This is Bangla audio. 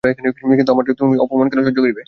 কিন্তু আমার জন্য তুমি কেন অপমান সহ্য করিবে?